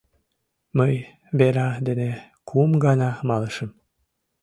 — Мый Вера дене кум гана малышым.